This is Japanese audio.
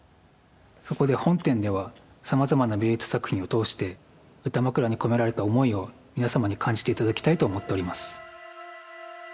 そこで本展ではさまざまな美術作品を通して歌枕に込められた思いを皆様に感じて頂きたいと思っております。